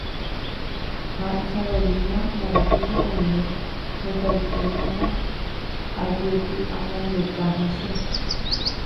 ha Isabelina, moõpiko oime hetaitémako ajepy'amongeta hese